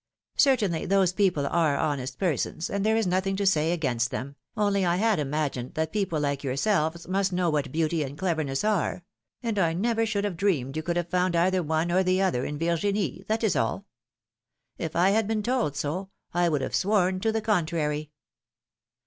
''Certainly those people are honest persons, and there is nothing to say against them, only I had imagined that people like yourselves must know what beauty and cleverness are ; and I never should have dreamed you could have found either one or the other in Virginie, that is all ! If I had been told so, I would have sworn to the contrary."